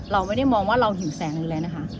เราไม่ได้มองว่าเราหิวแสงอีกแล้วนะคะ